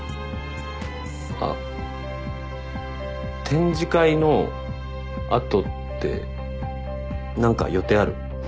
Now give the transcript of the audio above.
あ展示会の後って何か予定ある？